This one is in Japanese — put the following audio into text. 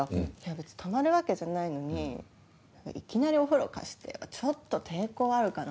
別に泊まるわけじゃないのにいきなり「お風呂貸して」はちょっと抵抗あるかな。